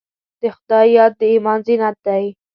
د خدای یاد د ایمان زینت دی.